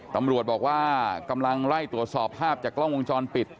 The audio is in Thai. ตำรวจบอกว่ากำลังไล่ตรวจสอบภาพจากกล้องวงจรปิด